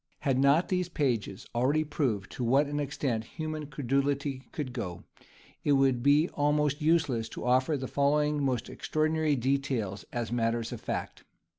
Had not these pages already proved to what an extent human credulity could go, it would be almost useless to offer the following most extraordinary details as matters of fact.